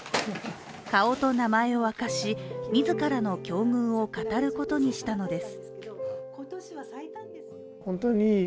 顔と名前を明かし自らの境遇を語ることにしたのです。